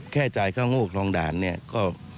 แค่จ่ายไข้โง่คลองด่านเนี่ยก็